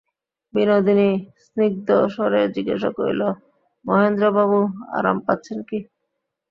বিনোদিনী স্নিগ্ধস্বরে জিজ্ঞাসা করিল, মহেন্দ্রবাবু, আরাম পাচ্ছেন কি।